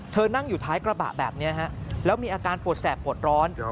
นั่งอยู่ท้ายกระบะแบบนี้ฮะแล้วมีอาการปวดแสบปวดร้อน